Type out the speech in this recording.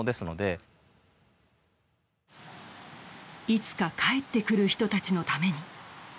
いつか帰ってくる人たちのために。